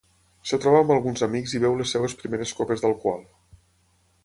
Es troba amb alguns amics i beu les seves primeres copes d'alcohol.